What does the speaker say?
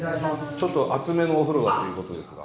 ちょっと熱めのお風呂だということですが。